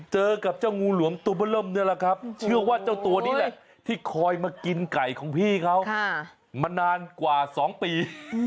เจอกับเจ้างูหลวมตัวเบอร์เริ่มนี่แหละครับเชื่อว่าเจ้าตัวนี้แหละที่คอยมากินไก่ของพี่เขามานานกว่า๒ปี